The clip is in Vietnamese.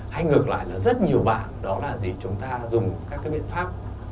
hay ngược lại là rất nhiều bạn đó là gì chúng ta dùng các cái biện pháp